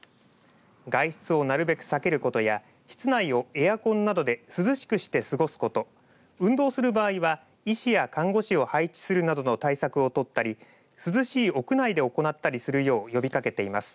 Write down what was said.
外出をなるべく避けることや室内をエアコンなどで涼しくして過ごすこと運動する場合は医師や看護師を配置するなどの対策を取ったり涼しい屋内で行ったりすることを呼びかけています。